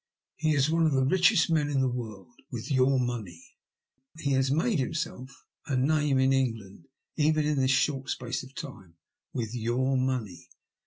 He is one of the richest men in the world — with your money. He has made himself a name in England, even in this short space of time — with your money.